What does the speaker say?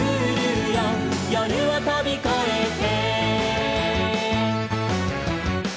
「夜をとびこえて」